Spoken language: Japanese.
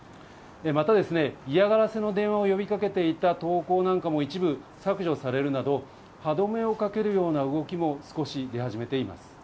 またですね、嫌がらせの電話を呼びかけていた投稿なんかも、一部削除されるなど、歯止めをかけるような動きも少し出始めています。